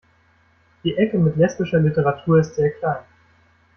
Die Ecke mit lesbischer Literatur ist sehr klein.